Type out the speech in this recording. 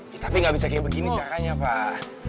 hei tapi nggak bisa kayak begini cakanya pak